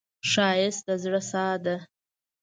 ښایست د زړه ساه ده